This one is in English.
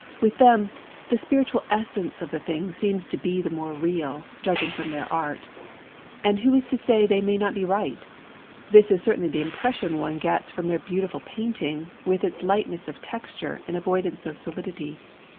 With them the spiritual essence of the thing seen appears to be the more real, judging from their art. And who is to say they may not be right? This is certainly the impression one gets from their beautiful painting, with its lightness of texture and avoidance of solidity.